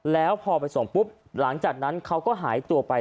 แล้วพอไปส่งปุ๊บหลังจากนั้นเขาก็หายตัวไป